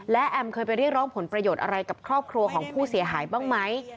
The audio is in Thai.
และแอมเคยไปเรียกร้องผลประโยชน์อะไรกับครอบครัวของผู้เสียหายบ้างไหม